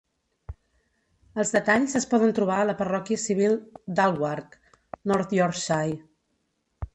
Els detalls es poden trobar a la parròquia civil d'Aldwark, North Yorkshire.